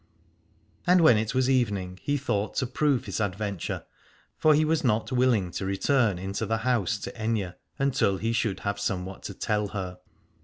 And when it was evening he thought to prove his adventure : for he was not willing to return into the house to Aithne until he should have somewhat to tell her.